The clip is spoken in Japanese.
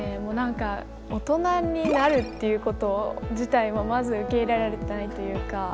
もう何か大人になるっていうこと自体もまず受け入れられてないというか。